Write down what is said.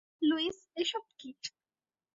Luis, এসব কি?